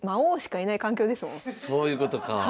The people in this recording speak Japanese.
だってそういうことか。